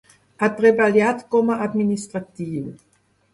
Ha treballat com a administratiu.